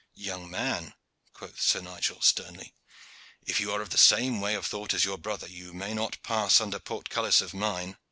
"Young man," quoth Sir Nigel, sternly, "if you are of the same way of thought as your brother, you may not pass under portcullis of mine."